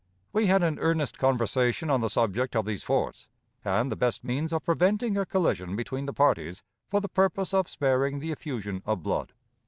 We had an earnest conversation on the subject of these forts, and the best means of preventing a collision between the parties, for the purpose of sparing the effusion of blood.